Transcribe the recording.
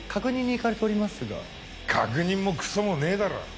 確認もクソもねえだろ！